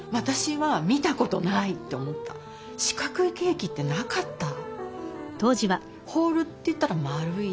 四角いケーキってなかったの。